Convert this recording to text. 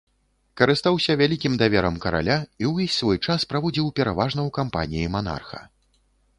Карыстаўся вялікім даверам караля і ўвесь свой час праводзіў пераважна ў кампаніі манарха.